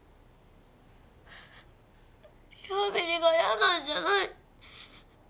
リハビリが嫌なんじゃない！